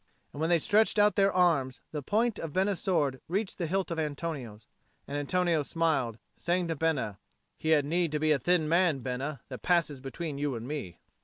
And when they stretched out their arms, the point of Bena's sword reached the hilt of Antonio's. And Antonio smiled, saying to Bena, "He had need to be a thin man, Bena, that passes between you and me."